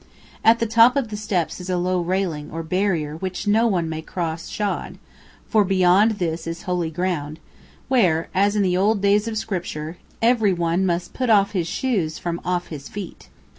At the top of the steps is a low railing or barrier which no one may cross shod, for beyond this is holy ground, where, as in the old days of Scripture, every one must "put off his shoes from off his feet."